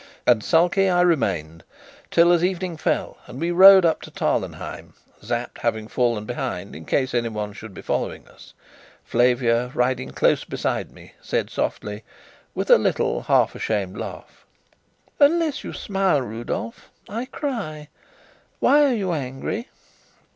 And sulky I remained till, as evening fell and we rode up to Tarlenheim, Sapt having fallen behind in case anyone should be following us, Flavia, riding close beside me, said softly, with a little half ashamed laugh: "Unless you smile, Rudolf, I cry. Why are you angry?"